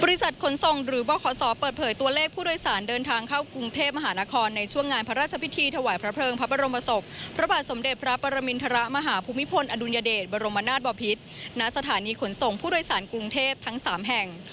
ขนส่งหรือบขศเปิดเผยตัวเลขผู้โดยสารเดินทางเข้ากรุงเทพมหานครในช่วงงานพระราชพิธีถวายพระเพลิงพระบรมศพพระบาทสมเด็จพระปรมินทรมาหาภูมิพลอดุลยเดชบรมนาศบพิษณสถานีขนส่งผู้โดยสารกรุงเทพทั้ง๓แห่ง